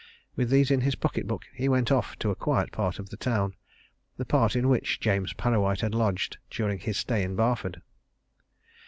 With these in his pocket book he went off to a quiet part of the town the part in which James Parrawhite had lodged during his stay in Barford.